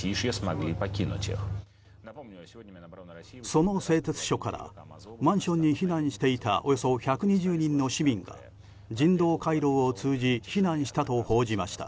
その製鉄所からマンションに避難していたおよそ１２０人の市民が人道回廊を通じ避難したと報じました。